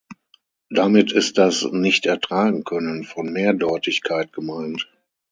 Damit ist das Nicht-Ertragen-Können von Mehrdeutigkeit gemeint.